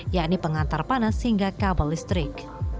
yakni pengantar panas hingga kabel listrik